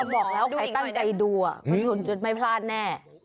บอกแล้วใครตั้งใดดูมันหลุดจนไม่พลาดแน่